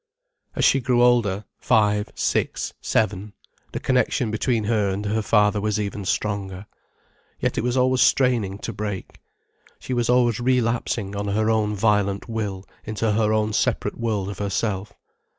As she grew older, five, six, seven, the connection between her and her father was even stronger. Yet it was always straining to break. She was always relapsing on her own violent will into her own separate world of herself.